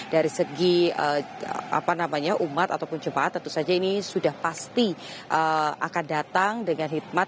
dari segi umat ataupun jemaat tentu saja ini sudah pasti akan datang dengan hikmat